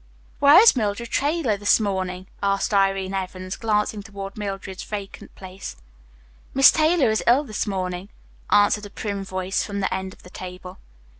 "Where is Mildred Taylor this morning?" asked Irene Evans, glancing toward Mildred's vacant place. "Miss Taylor is ill this morning," answered a prim voice from the end of the table.